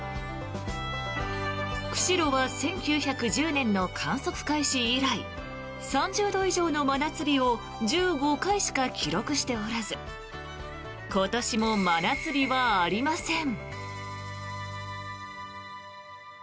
釧路は１９１０年の観測開始以来３０度以上の真夏日を１５回しか記録しておらず今年も真夏日はありません。